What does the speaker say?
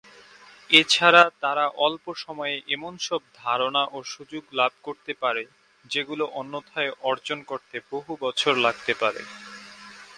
এছাড়া তারা অল্প সময়ে এমন সব ধারণা ও সুযোগ লাভ করতে পারে, যেগুলি অন্যথায় অর্জন করতে বহু বছর লাগতে পারে।